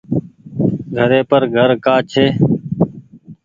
گهري پر گهر ڪآ ڇي۔